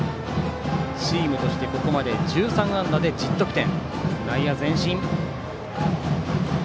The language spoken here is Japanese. チームとしてここまで１３安打で１０得点。